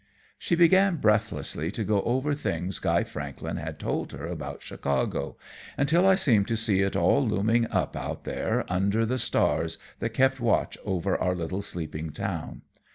She began breathlessly to go over things Guy Franklin had told her about Chicago, until I seemed to see it all looming up out there under the stars that kept watch over our little sleeping town.